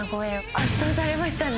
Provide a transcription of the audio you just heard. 圧倒されましたね